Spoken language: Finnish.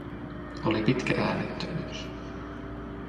Oli pitkä äänettömyys.